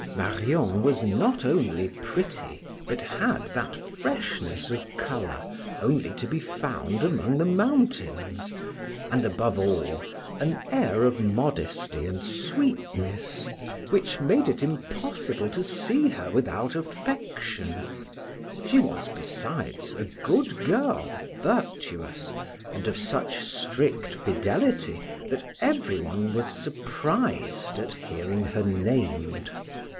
Marion was not only pretty, but had that freshness of color only to be found among the mountains, and, above all, an air of modesty and sweetness, which made it impossible to see her without affection; she was besides a good girl, virtuous, and of such strict fidelity, that everyone was surprised at hearing her named.